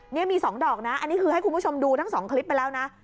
นี่มี๒ดอกนะอันนี้คือให้คุณผู้ชมดูทั้ง๒คลิปไปแล้วนะ